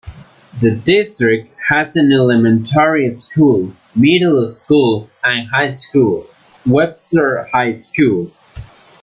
The district has an elementary school, middle school and high school, Webster High School.